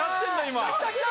今。